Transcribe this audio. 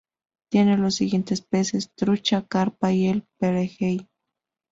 Tiene los siguientes peces: trucha, carpa y el pejerrey.